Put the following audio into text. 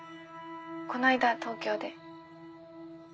この間東京で。